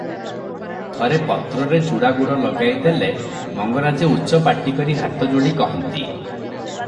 ଥରେ ପତ୍ରରେ ଚୂଡ଼ାଗୁଡ଼ ଲଗାଇ ଦେଲେ ମଙ୍ଗରାଜେ ଉଚ୍ଚପାଟିକରି ହାତ ଯୋଡ଼ି କହନ୍ତି